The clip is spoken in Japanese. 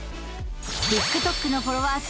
ＴｉｋＴｏｋのフォロワー数